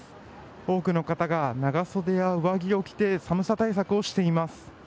多くの方が長袖や上着を着て寒さ対策をしています。